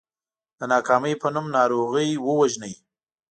د ناکامۍ په نوم ناروغي ووژنئ .